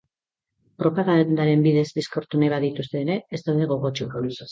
Propagandaren bidez bizkortu nahi badituzte ere, ez daude gogotsu.